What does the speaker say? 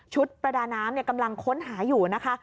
ประดาน้ำกำลังค้นหาอยู่นะคะ